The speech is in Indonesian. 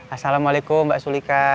assalamualaikum mbak sulika